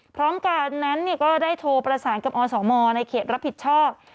พร้อมกันนั้นก็ได้โทรประสานกับอสมในเขตรับผิดชอบ